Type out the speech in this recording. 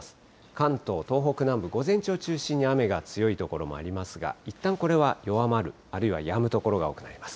関東、東北南部、午前中を中心に雨が強い所もありますが、いったんこれは弱まる、あるいはやむ所が多くなります。